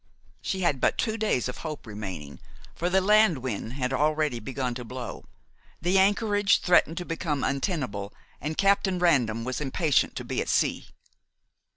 She had but two days of hope remaining, for the landwind had already begun to blow. The anchorage threatened to become untenable, and Captain Random was impatient to be at sea.